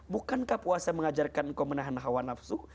bukankah puasa mengajarkan engkau menahan hawa nafsu